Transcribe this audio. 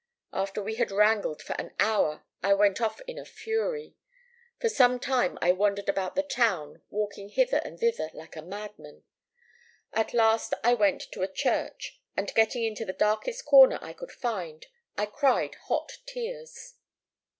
After we had wrangled for an hour I went off in a fury. For some time I wandered about the town, walking hither and thither like a madman. At last I went into a church, and getting into the darkest corner I could find, I cried hot tears.